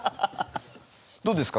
どうですか？